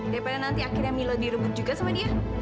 daripada nanti akhirnya milo direbut juga sama dia